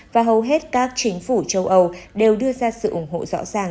và hầu hết các chính phủ châu âu đều đưa ra sự ủng hộ rõ ràng